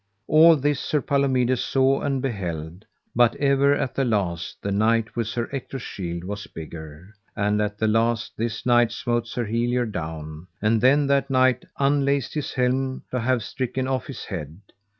All this Sir Palomides saw and beheld, but ever at the last the knight with Sir Ector's shield was bigger, and at the last this knight smote Sir Helior down, and then that knight unlaced his helm to have stricken off his head.